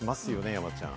山ちゃん。